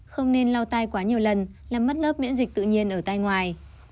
không nên lau tay quá nhiều lần làm mất lớp miễn dịch tự nhiên ở tay ngoài